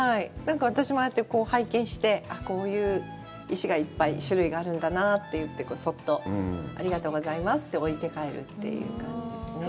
私もああやって拝見して、こういう石がいっぱい種類があるんだなといって、そっと、ありがとうございますって、置いて帰るという感じですね。